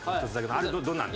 あれどんなん？